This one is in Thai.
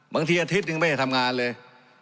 บางทีอาทิตย์ยังไม่ได้ทำงานเลย